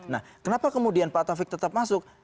nah kenapa kemudian pak taufik tetap masuk